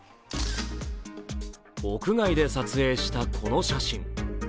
屋外で撮影したこの写真。